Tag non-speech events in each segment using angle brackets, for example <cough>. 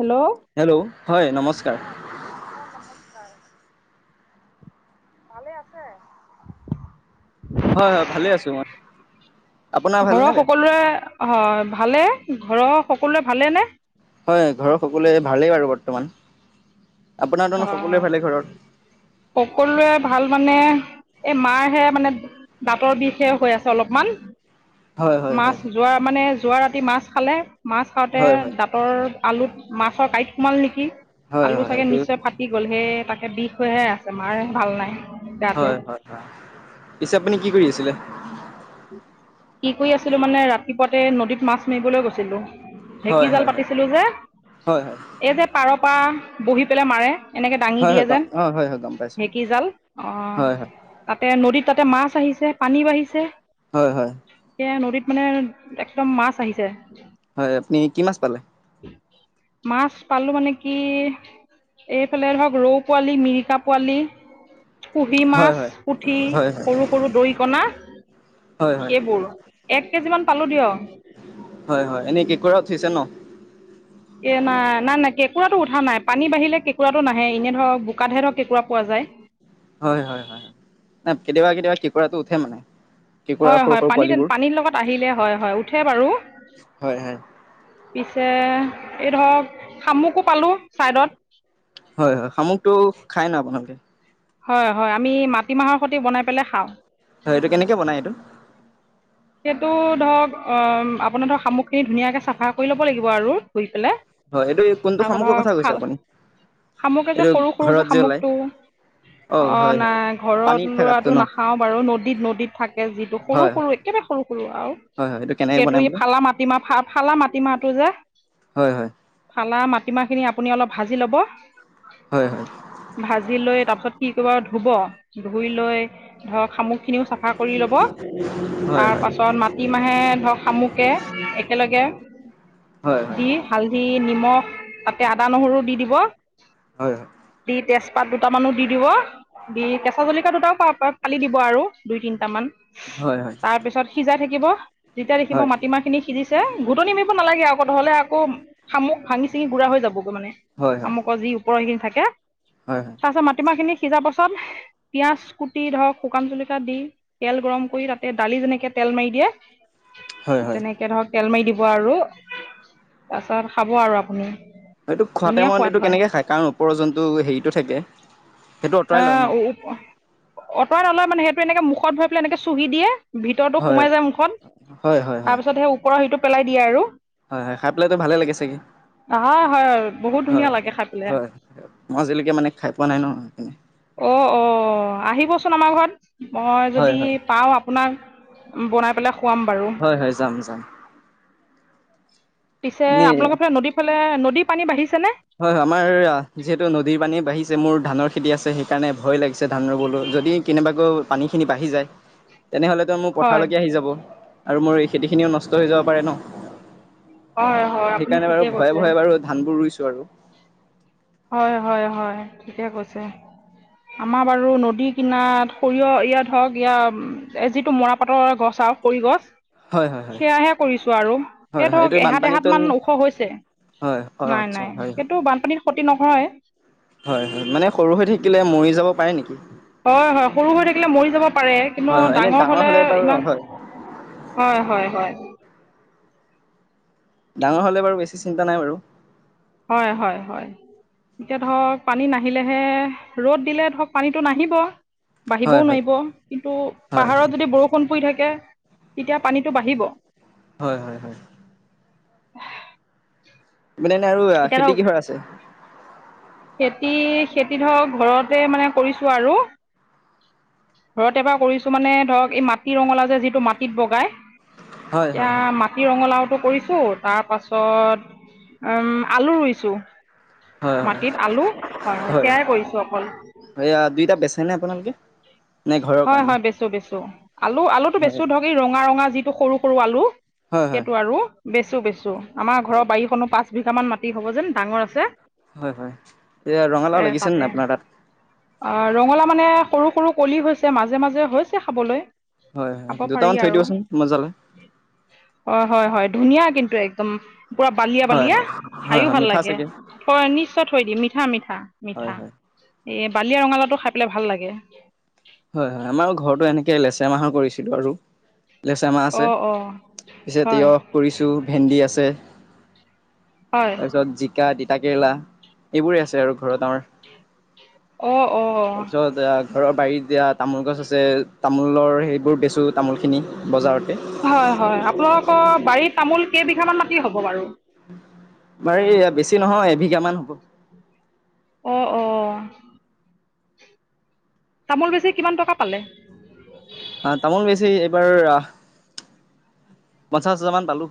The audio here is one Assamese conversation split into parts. হেল্ল' হেল্ল' হয় নমস্কাৰ ভালে আছে? হয় হয় ভালে আছো মই আপোনাৰ ঘৰৰ ভালনে বেয়া সকলোৰে হয় ভালে ঘৰৰ সকলোৱে ভালে নে? হয় ঘৰৰ সকলোৱে ভালেই বাৰু বৰ্তমান। আপোনাৰ তনো হয় সকলোৱে হয়, ভালে ঘৰত সকলোৱে ভাল মানে এই মাৰহে মানে দাঁতৰ বিষহে হৈ আছে অলপমান। হয় হয় মাছ হয় যোৱা মানে যোৱা ৰাতি মাছ খালে, মাছ খাওঁতে হয় হয় দাঁতৰ আলুত মাছৰ কাঁইট সোমাল নেকি। হয় আলু হয় চাগে এইটো নিশ্চয় ফাটি গল সেই তাকে বিষ হৈহে আছে মাৰ ভাল নাই গাটো হয় হয় হয়, পিছে আপুনি কি কৰি আছিলে? কি কৰি আছিলো মানে ৰাতিপুৱাতে নদীত মাছ মাৰিবলৈ গৈছিলোঁ। হয় ঢেঁকী জাল হয় হয় পাতিছিলো যে, হয় হয় এই যে পাৰৰ পৰা বহি পেলাই মাৰে। এনেকৈ দাঙি হয় দিয়ে হয় যে অ হয় হয় গম পাইছো ঢেঁকী জাল, অহ, হয় হয় তাতে নদীত তাতে মাছ আহিছে, পানী বাঢ়িছে। হয় হয়। সেয়া নদীত মানে একদম মাছ আহিছে। হয় আপুনি কি মাছ পালে? মাছ পালো মানে কি এইফালে ধৰক ৰৌ পোৱালি, মিৰিকা পোৱালি কুঁহি হয় মাছ, হয় পুঠি, হয় হয় সৰু সৰু দৰিকণা হয় হয় সেইবোৰ, এক কেজি মান পালো দিয়ক। হয় হয়, এনেই কে কৰা উঠিছে ন? এ নাই আমাৰ কেকুৰাটো উঠা নাই, পানী বাঢিলে কেঁকুৰাটো নাহেই, এনেই ধৰক বোকাতহে ধৰক কেঁকুৰা পোৱা যায়। হয় হয় হয় হয়, ন কেতিয়াবা কেতিয়াবা কি কেকোঁৰাটো উঠে মানে। কেঁকোৰাৰ হয় সৰু হয় সৰু পানী পোৱালিবোৰ পানীৰ লগত আহিলে হয় হয় উঠে বাৰু। হয় হয় পিছে এই ধৰক খামুকো পালো চাইডত। হয় হয়। শামুকটো খাই ন আপোনালোকে? হয় হয়। আমি মাটিমাহৰ সতি বনাই পেলাই খাওঁ। হয় এইটো কেনেকে বনাই এইটো? সেইটো ধৰক অ' আপোনাৰ ধৰক শামুখ খিনি ধুনীয়াকে চাফা কৰি ল'ব লাগিব আৰু পিলে হয় এইটো কোনটো তাৰপা শামুকৰ ধৰ কথা কৈছে ফাল আপুনি শামুকে যে এইটো সৰু সৰু যে ঘৰত ওলাই শামুকটো। অ' হয় হয় নাই ঘৰত পানীত থকাতো লৰাটো ন নাখাওঁ‌ বাৰু, নদীত নদীত থাকে যিটো সৰু হয় সৰু হয় একেবাৰে। ৰু আও হয় হয় এইটো কেনেকে সেইটো বনাই ই বোলে ফালা মাটিমাহ ফা ফালা মাটিমাহটো যে হয় হয় ফালা মাট মাতিমা খিনি আপুনি অলপ ভাজি ল'ব, হয় ভাজি লৈ তাৰপিছত কি কৰিব? ধুব, ধুই লৈ ধৰক শামু খিনিও চাফা কৰি ল'ব। হয় হয় তাৰ পাছত মাটিমাহে ধৰক শামুকে একেলগে। হয় হয় হয় দি হালধি নিমখ তাতে আদা নহৰু দি দিব হয় দি তেজপাত দুটামানো দি দিব। দি কেঁচা জলকাীয়া দুটাও পালি দিব আৰু দুই তিনিটামান হয় হয় তাৰপিছত সিজাই থাকি। যেতিয়া দেখিব হয় মাটিমাহ খিনি সিজি। ঘুটনি নি মিব নালাগে আকৌতহ'লে আকৌামু ভাঙি চি গুৰা হৈ যাব। মানে হয় হয় হয় আমুকৰ যি ওপৰ সিখিনি থাকে। হয় তাৰপিছত মাটিমাহ খিনি। সিজাৰ পাছত পিয়াজ কুটি ধৰক শুকান জলক দি তেল গৰম কৰি তাত। দালি যেনেকে তেল মাৰি দিয়ে হয়, হয়। তেনেকে ধৰক। তেল মাৰি দিব আৰু তাৰপিছত খাব আৰু আপুনি। এইটো খোৱা ধুনীয়া টাইমত সোৱাদ এইটো হয় কেনেকে খাই কাৰণ ওপৰ জন্তটো হেৰিতটো থাকে। সেইটো অ' আঁতৰাই লয় ন অঁতৰাই নলয় মানে সেইটো এনেকে মুখত ভৰি পেলাই এনেকে চুহি দিয়ে। ভিতৰতো হয় সোমাই যায়। হয় মুখত হয় হয় তাৰপিছত সেই ওপৰৰ সিটো পেলাই দিয়ে আৰু। হয় হয়। খাই পেলাইতো ভালে লাগি চাগে। হয় হয় বহুত হয় ধুনীয়া লাগে খাই হয় পেলাই হয়। মই আজিলৈকে মানে খাই পোৱা নাই ন। সেইকাৰণে অ' অ' আহিবচোন আমাৰ ঘৰত মই হয় যদি হয় পাওঁ আপোনাক। বনাই পেলাই। খুৱাম বাৰু হয় হয় যাম যাম। পিছে এনেই আপোনালোকৰ ফালে নদীৰ ফালে নদীৰ পানী বাঢ়িছে নে। হয় আমাৰ যিহেতু নদীৰ পানী বাঢ়িছে। মোৰ ধানৰ খেতি আছে সেইকাৰণে ভয় লাগিছে। ধান 'ৰুবলৈ যদি কেনেবাকৈ পানীখিনি বাঢ়ি যায়। তেনেহ'লেতো মোৰ হয় পথাৰলৈকে আহি যাব আৰু মোৰ খেতিখিনিও নষ্ট হৈ যাব পাৰে ন। হয় হয় আপুনি সেইকাৰণে ঠিকে বাৰু ভয়ে কৈছে ভয়ে বাৰু ধান বোৰ ৰুইছো আৰু। হয় হয় হয় ঠিকে কৈছে। আমাৰ বাৰু নদী কিনাত সৰিয়হ ইয়াত ধৰক ইয়াৰ যিটো মৰাপাতৰ গছ। চা খৰি গছ। হয় হয় হয় সেয়াহে কৰিছো আৰু হয় এই হয় এইটো ধৰক এহাত বানপানীত এহাত মান ওখ হৈছে। হয় হয় নাই আচ্ছা নাই হয় সেইটো বানপানীত ক্ষতি নহয়। হয় হয় মানে সৰু হৈ থাকিলে মৰি যাব পাৰে নেকি? হয় হয় সৰু হৈ থাকিলে মৰি যাব পাৰে কিন্তু হয় হয় এনেই ডাঙৰ হলে বাৰু ইমান। হয় হয় হয় হয়। ডাঙৰ হ'লে বাৰু বেছি চিন্তা নাই বাৰু। হয় হয় হয়। এতিয়া ধৰক পানী নাহিলেহে ৰ'দ দিলে ধৰক পানীতটো নাহিব। বাঢ়িবও হয় হয় নোৱাৰিব কিন্তু হয় পাহাৰত হয় যদি বৰষুণ পৰি থাকে। তেতিয়া পানীতটো বাঢ়িব। হয় হয় হয়। <unintelligible> মানে এনে আৰু খেতি কিহৰ আছে? খেতি-খেতি ধৰক ঘৰতে মানে কৰিছো আৰু। ঘৰত এবাৰ কৰিছো। মানে ধৰক এই মাটি ৰঙালাউ যে যিটো মাটিত বগাই। হয় এতিয়া হয় হয় মাটি ৰঙলাও কৰিছো। তাৰপাছত ওম আলু ৰুইছো। হয়, সেয়াই কৰিছোঁ অকল হয়। দুইটা বেচ নে আপোনালোকে? নে ঘৰৰ হয়, কাৰণে? হয়। বেচো, বেচো। আলু, আলুটো হয় বেচো ধৰক। ৰঙা ৰঙা যিটো সৰু সৰু আলু। হয় সেইটো আৰু বেচো, বেছো। আমাৰ ঘৰৰ বাৰীখনৰ পাচ বিঘামান মাটি হ'ব যেন ডাঙৰ আছে। হয়, হয়। এ ৰঙালাও লাগিছেনে আপোনাৰ তাত? ৰঙালাউ মানে সৰু সৰু কলি হৈছে। মাজে মাজে হৈছে খাবলৈ। হয় হয় খাব পাৰি দুটামান থৈ আৰু দিবচোন মই জলে হয়, হয়, হয়। ধুনীয়া কিন্তু একদম, পুৰা বালিয়া হয় বালিয়া। হয়। হয় খাইও হয় ভাল মিঠা লাগে। চাগে হয়, নিশ্চয় থৈ দিম। হয় মিঠা-মিঠা-মিঠা। হয় এ বালিয়া ৰঙালাওটো খাই পেলাই ভাল লাগে। হয়, হয়। আমাৰ ঘৰতো এনেকে লেচেৰা মাহৰ কৰিছিলো আৰু লেচেআমা অ আছে অ পিছত হয় তিয়হ কৰিছো, ভেন্দি আছে। হয় তাৰপিছত জিকা, তিতাকেৰেলা সেইবোৰে আছে আৰু ঘৰত আমাৰ। অ অ তাৰপিছত আহ ঘৰৰ বাৰীত এতিয়া তামোল গছ আছে, তামোলৰ সেইবোৰ বেচোঁ হয়, হয়। আপোনালোকৰ বাৰীত তামোল কেইবিঘা মান মাটি হ'ব বাৰু। আমাৰ এই বেছি নহয় এবিঘা মান হ'ব। অ-অ। তামোল বেছি কিমান টকা পালে? অ তামোল বেছি এইবাৰ পঞ্চাছ হাজাৰ মান পালো।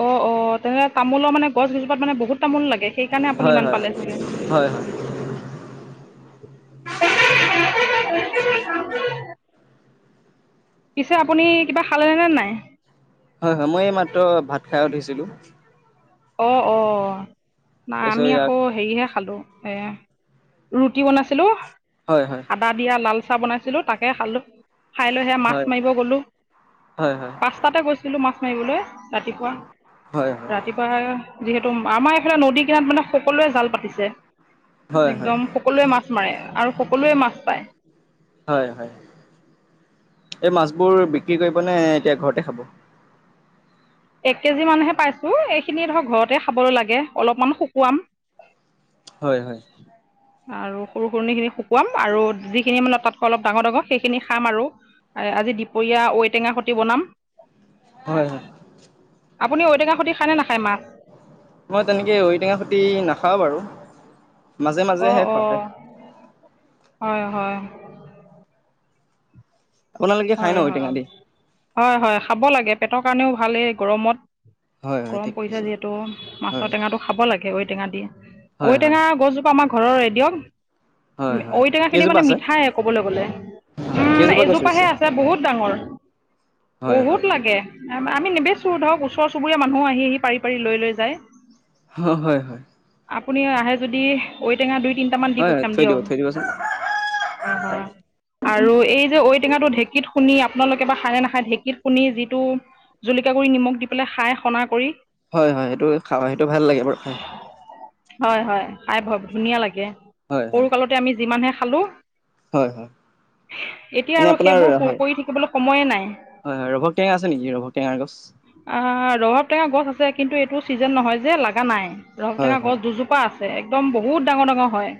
অ-অ, তেনেহ'লে তামোলৰ মানে গছকেইজোপাত মানে বহুত ত তামোল লাগে। সেইকাৰণে আপুনি হয়, ইমান হয়, হয়, পালে চাগে। হয়, <inaudible> পিছে আপুনি কিবা খালে নে নাই? হয়, হয়। মই মাত্ৰ ভাত খাই উঠিছিলোঁ। অ-অ, নাই তাৰপিছত আমি আকৌ ইয়াক হেৰিহে খালো। এ ৰুটি বনাইছিলো, হয়, হয়, আদা দিয়া লাল পিঠা বনাইছিলো, তাকে খালো। খাই লৈ হেয়া মাছ হয়, মাৰিব গলো। হয়, হয়, পাঁচটাতে গৈছিলো মাছ মাৰিবলে ৰাতিপুৱা, হয়, ৰাতিপুৱা। যিহেতু আমাৰ এইফালে নদী কিনাৰত মানে সকলোৱে জাল পাতিছে। হয়, হয়, একদম সকলোৱে মাছ মাৰে আৰু সকলোৱে মাছ পায়। হয়, হয়। এই মাছবোৰ বিক্ৰী কৰিব নে এতিয়া ঘৰতে খাব? এক কেজি মানহে পাইছো। এইখিনি ধৰা ঘৰতে খাবলৈ লাগে, অলপমান শুকুৱাম। হয়, হয়। আৰু সৰু সুৰণিখিনি শুকুৱাম আৰু যিখিনি মানে তাতকৈ অলপ ডাঙৰ ডাঙৰ সেইখিনি খাম আৰু। আজি দুপৰীয়া ঐ টেঙা সতি বনাম। হয়, হয়, আপুনি ঔটেঙা সতি খাইনে না মই তেনেকে ঐটেঙা সতি নাখাওঁ বাৰু। মাজে মাজেহে অ-অ, খোৱা হয়, হয়-হয়। আপোনালোকে খাই ন হয়, হয়। ঔটেঙা দি? হয়, হয়। খাব লাগে। পেটৰ কাৰণেও ভালে এই গৰমত। হয়, হয়, গৰম ঠিক পৰিছে কৈছে। যিহেতু মাছৰ হয়, টেঙাটো খাব লাগে ঐ টেঙা দি। হয়, হয়, ঐটেঙা গছজোপা আমাৰ ঘৰৰে দিয়ক। হয়, হয়, ঐটেঙা খিনি কেইজোপা মানে আছে? মিঠাই ক'বলৈ গ'লে। হয়, উ কেইজোপা গছ এজোপাহে ৰুইছে? আছে। বহুত ডাঙৰ হয়, হয়, বহুত লাগে। আমি নেবেচো ধৰক ওচৰ চুবুৰীয়া মানুহ আহি আহি পাৰি পাৰি লৈ লৈ যায়। হয় হয় আপুনি আহে যদি ঔটেঙা দুই তিনিটামান দি হয়, হয়, পঠিয়াম থৈ দিব, দিয়ক থৈ দিবচোন। আৰু এই যে ঔ টেঙাটো ঢেক ঢেঁকীত খুনি আপোনালোকে বা খায় নে নাখায়? ঢেঁকীত খুনি যিটো জুলক গুড়ি নিমখ দি পেলাই খাই সনা কৰি হয় হয় সেইটো খাওঁ সেইটো ভাল লাগে বাৰু খায়। হয় হয় খাই বৰ ধুনীয়া লাগে। হয় সৰু হয়। কালতে আমি যিমানহে খালো। হয় হয় এনে আপোনাৰ ক হয় কৰি থাকিবলৈ সময়ে নাই। হয় ৰভক টেঙা আছে নেকি ৰভক টেঙাৰ গছ? অ' ৰভ টেঙা গছ আছে কিন্তু এইটো চিজন নহয় যে লগা নাই ৰস হয় টেঙা গছ হয়। দুজোপা আছে। একদম বহুত ডাঙৰ ডাঙৰ হয়।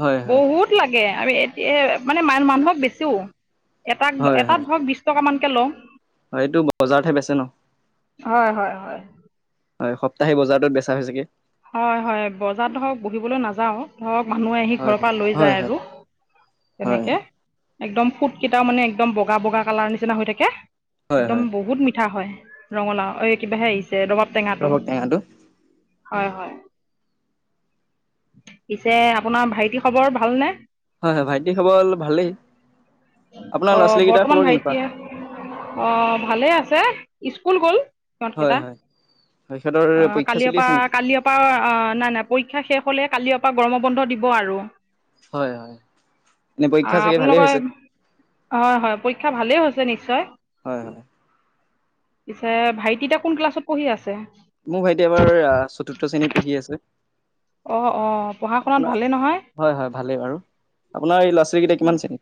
হয় হয় বহুত লাগে আমি এতিয়া মানে ম মানুহক বেছিও এটাক হয় হয় এটাত ধৰক বিশছ টকামানকৈ লওঁ হয় এইটো বজাৰতহে বেচ ন হয় হয় হয়। হয় সপ্তাহে বজাৰটোত বেচা হৈছোগে হয় হয় বজাৰ ধৰক বহিবলৈ নাযাও ধৰক মানুহে আহি হয় ঘৰৰ পৰা হয়। লৈ হয় যায় হয় আৰু হয় তেনেকে একদম ফুট কেইটাও মানে একদম বগা বগা কালাৰ নিচিনা হৈ থাকে হয় একদম হয় বহুত মিঠা হয়। ৰঙালাও অ' কিবাহে আহিছে ৰবাব টেঙাটো হয় হয় পিছে আপোনাৰ ভাইটি খবৰ ভালনে? হয় হয়। ভাইটি খবৰ ভালেই। আপোনাৰ ল'ৰা অ' ছোৱালীকেইটাৰ বৰ্তমান খবৰ কেনেকুৱা? ভাইটিয়ে অ' ভালে আছে স্কুল গ'ল। সত হয় কেইটা হয় হয় সিহঁতৰ অ' পৰীক্ষা কালি চলি আছে নেকি? পৰা। কালি পৰা নাই নাই পৰীক্ষা শেষ হ'লে কালিপ পৰা গৰম বন্ধ দিব আৰু হয় হয়। এনে পৰীক্ষা অ' চাগে ভালেই আপোনালোকৰ হৈছে হয় হয় পৰীক্ষা ভালে হৈছে। নিশ হয় হয়। পিছে ভাইটিতা কোন ক্লাছত পঢ়ি আছে? মোৰ ভাইটি এবাৰ চতুৰ্থ শ্ৰেণীত পঢ়ি আছে। অ' অ' পঢ়া শুনাত আপোনাৰ ভালেই নহয় হয় হয় ভালেই বাৰু। আপোনাৰ এই ল'ৰা ছোৱালীকেইটা কিমান শ্ৰেণী?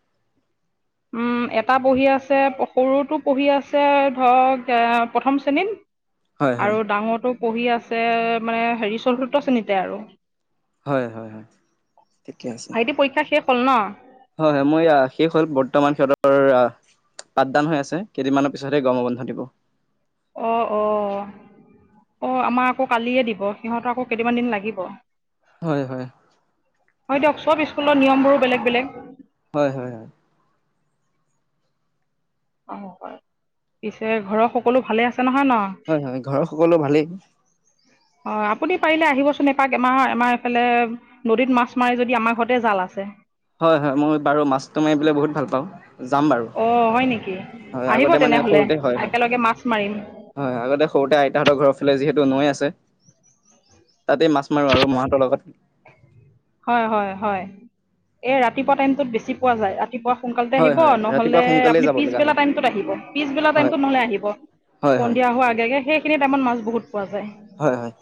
উম এটা পঢ়ি আছে সৰুতো পঢ়ি আছে। ধৰক এ প্ৰথম শ্ৰেণীত হয় হয় আৰু ডাঙৰটো পঢ়ি আছে। মানে হেৰি চলত্ৰ শ্ৰেণীতে আৰু হয় হয় হয় ঠিকে আছে। শষোলল হয় হয় মই শেষ হ'ল বৰ্তমান। কহতৰ আহ পাঠদান হৈ আছে কেইদিনমানৰ পিছতহে গম বন্ধ দিব। অ' অ' অ' আমাৰ আকৌ কালিয়ে দিব সিহঁত আকৌ কেইটামান দিন লাগিব। হয় হয়। হয় দিয়ক। চব স্কুলৰ নিয়মবোৰো বেলেগ বেলেগ। হয় হয় হয় অ' হয় পিছে ঘৰৰ সকলো ভালে আছে। নহয় ন হয় হয় ঘৰৰ সকলো ভালেই। হয় আপুনি পাৰিলে আহিবচোন। এপাক আমাৰ আমাৰ এইফালে নদীত মাছ মাৰি যদি আমাৰ ঘৰতে জাল আছে। হয় হয় মই বাৰু মাছটো মাৰি পলৈ বহুত ভাল পাওঁ। যাম বাৰু অ' হয় নেকি হয় আহিব আগতে মানে তেনেহলে সৰুতে হয় হয় একেলগে মাছ মাৰিম। হয় আগতে সৰুতে আইতাহঁৰ ঘৰালে যিহেতু এইটো নৈ আছে তাতে মাছ মাৰো আৰু মহতৰ লগত হয় হয় হয়। এই ৰাতিপুৱা টাইমটোত বেছি পোৱা যায়। ৰাতিপুৱা সোনকালতে হয় আহিব। হয় ৰাতিপুৱা নহ'লে সোনকালে আপুনি যাব লগা পিছবেলা হয় টাইমটোত আহিব। পিছবেলা হয় টাইমটোত নহ'লে আহিব। হয় হয় সন্ধিয়া হোৱাৰ আগে আগে সেইখিনি টাইমত মাছ বহুত পোৱা যায়। হয় হয়।